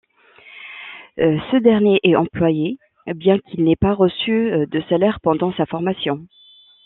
Ce dernier est employé bien qu'il n'ait pas reçu de salaire pendant sa formation.